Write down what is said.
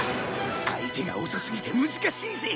相手が遅すぎて難しいぜ。